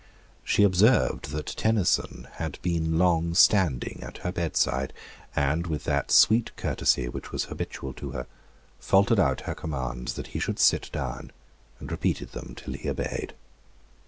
She observed that Tenison had been long standing at her bedside, and, with that sweet courtesy which was habitual to her, faltered out her commands that he would sit down, and repeated them till he obeyed.